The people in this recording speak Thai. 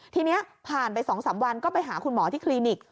ทีนี้ผ่านไป๒๓วันก็ไปหาคุณหมอที่คลินิก